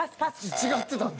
違ってたんだ。